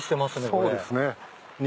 そうですね。